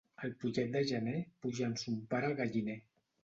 El pollet de gener puja amb son pare al galliner.